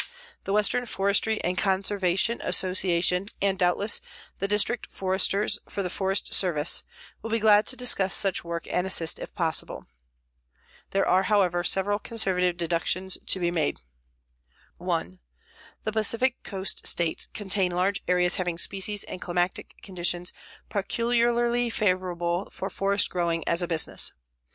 The Western Forestry & Conservation Association and, doubtless, the District Foresters for the Forest Service, will be glad to discuss such work and assist if possible. There are, however, several conservative deductions to be made: 1. The Pacific coast states contain large areas having species and climatic conditions peculiarly favorable for forest growing as a business.